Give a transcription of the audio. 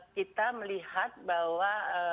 kita melihat bahwa